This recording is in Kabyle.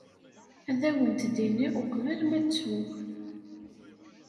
Ad awent-d-iniɣ uqbel ma ttuɣ.